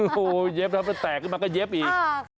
โอ้โหเจ็บร้ำมันแตกไม่มีเจ็บอีก